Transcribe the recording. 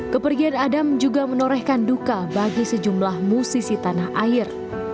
kepergian adam juga menorehkan duka bagi sejumlah musisi tanah air